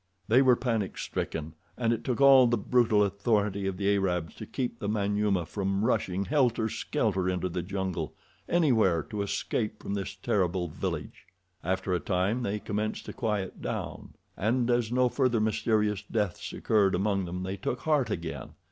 They were panic stricken, and it took all the brutal authority of the Arabs to keep the Manyuema from rushing helter skelter into the jungle—anywhere to escape from this terrible village. After a time they commenced to quiet down, and as no further mysterious deaths occurred among them they took heart again.